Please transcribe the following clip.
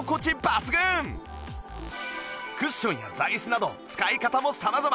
クッションや座椅子など使い方も様々